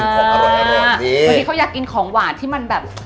บางทีเขาอยากกินของหวานที่มันแบบ